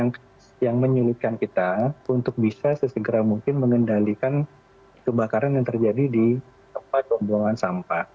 yang menyulitkan kita untuk bisa sesegera mungkin mengendalikan kebakaran yang terjadi di tempat pembuangan sampah